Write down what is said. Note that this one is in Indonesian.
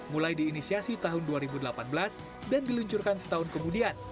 mulai diinisiasi tahun dua ribu delapan belas dan diluncurkan setahun kemudian